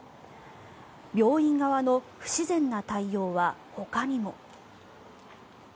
病院側の不自然な対応はほかにも。